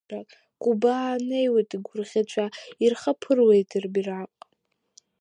Кубаа неиуеит игәырӷьаҵәа, ирхаԥыруеит рбираҟ!